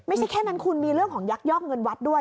ไม่ใช่แค่นั้นคุณมีเรื่องของยักยอกเงินวัดด้วย